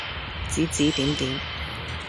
指指點點